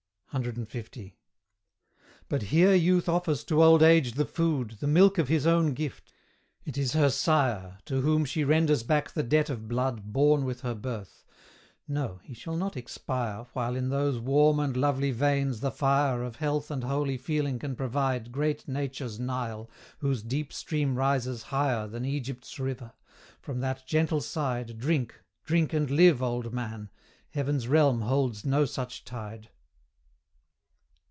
CL. But here youth offers to old age the food, The milk of his own gift: it is her sire To whom she renders back the debt of blood Born with her birth. No; he shall not expire While in those warm and lovely veins the fire Of health and holy feeling can provide Great Nature's Nile, whose deep stream rises higher Than Egypt's river: from that gentle side Drink, drink and live, old man! heaven's realm holds no such tide.